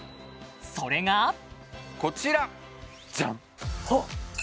それがこちらジャン！